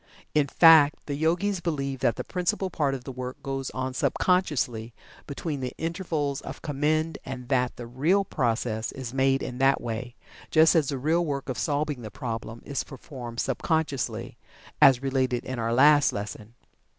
In fact, the Yogis believe that the principal part of the work goes on sub consciously between the intervals of commend, and that the real progress is made in that way, just as the real work of solving the problem is performed sub consciously, as related in our last lesson.